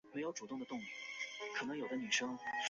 阮寿松丁未科进士。